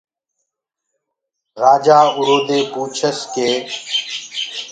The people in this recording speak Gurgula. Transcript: رآجآ اُرو دي پوڇس ڪي